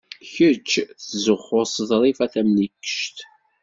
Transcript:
Kecc tettzuxxuḍ s Ḍrifa Tamlikect.